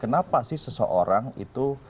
kenapa sih seseorang itu